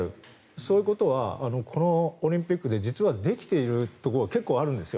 そういうことはこのオリンピックで実はできているところは結構あるんですよ。